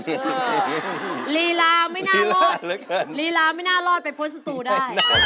ลีลาไม่น่ารอดลีลาไม่น่ารอดไปพ้นสตูได้